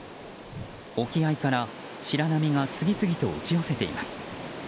沖合から白波が次々と打ち寄せています。